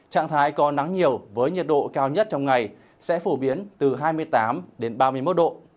trạng thái có nắng nhiều với nhiệt độ cao nhất trong ngày sẽ phổ biến từ hai mươi tám đến ba mươi một độ